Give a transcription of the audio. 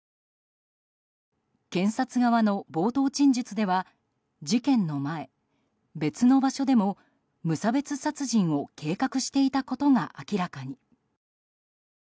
検察側の冒頭陳述では事件の前、別の場所でも無差別殺人を計画していたことが明らかに。